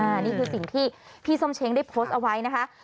อันนี้คือสิ่งที่พี่ส้มเช้งได้โพสต์เอาไว้นะคะ